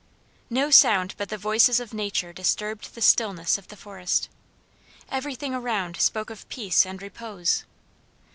No sound but the voices of nature disturbed the stillness of the forest. Everything around spoke of peace and repose.